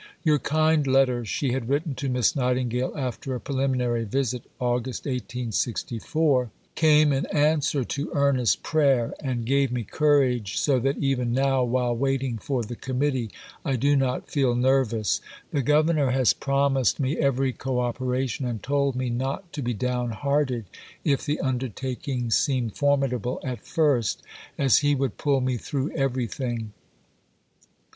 "Your kind letter," she had written to Miss Nightingale, after a preliminary visit (Aug. 1864), "came in answer to earnest prayer, and gave me courage so that even now while waiting for the committee I do not feel nervous. The governor has promised me every co operation and told me 'not to be down hearted if the undertaking seemed formidable at first, as he would pull me through everything.'